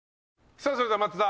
さあそれでは松田。